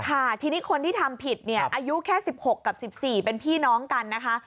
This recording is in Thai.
ค่ะทีนี้คนที่ทำผิดเนี่ยอายุแค่๑๖กับ๑๔เป็นพี่น้องกันนะคะ